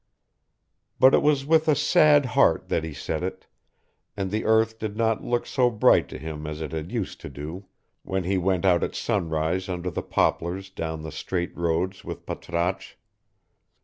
But it was with a sad heart that he said it, and the earth did not look so bright to him as it had used to do when he went out at sunrise under the poplars down the straight roads with Patrasche.